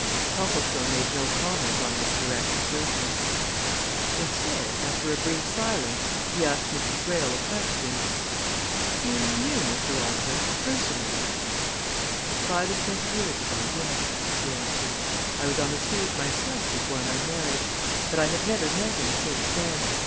Copplestone made no comment on this direct assertion. Instead, after a brief silence, he asked Mrs. Greyle a question. "You knew Mr. Oliver personally?" "Five and twenty years ago yes," she answered. "I was on the stage myself before my marriage. But I have never met him since then.